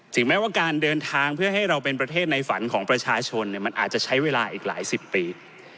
แม้ว่าการเดินทางเพื่อให้เราเป็นประเทศในฝันของประชาชนมันอาจจะใช้เวลาอีกหลายสิบปี